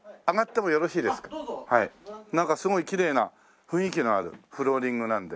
なんかすごいきれいな雰囲気のあるフローリングなんで。